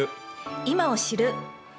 今を知る。